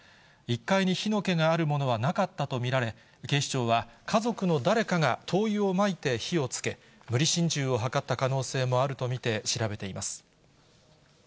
１階に火の気があるものはなかったと見られ、警視庁は、家族の誰かが灯油をまいて火をつけ、無理心中を図った可能性もあると見て、調べています。